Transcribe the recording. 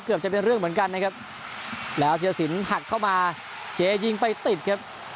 จะเป็นเรื่องเหมือนกันนะครับแล้วธิรสินหักเข้ามาเจยิงไปติดครับ